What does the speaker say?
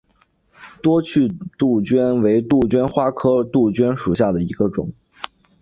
多趣杜鹃为杜鹃花科杜鹃属下的一个种。